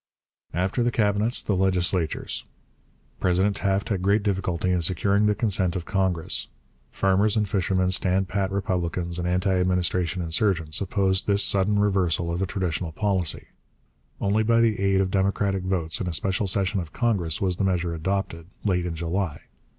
After the cabinets, the legislatures. President Taft had great difficulty in securing the consent of Congress. Farmers and fishermen, stand pat Republicans and anti administration insurgents, opposed this sudden reversal of a traditional policy. Only by the aid of Democratic votes in a special session of Congress was the measure adopted, late in July.